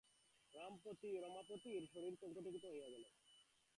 রমাপতির শরীর কণ্টকিত হইয়া উঠিল।